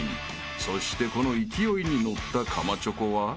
［そしてこの勢いに乗ったかまチョコは］